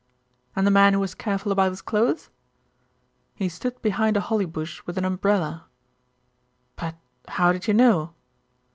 "And the man who was careful about his clothes?" "He stood behind a holly bush with an umbrella " "But how did you know?"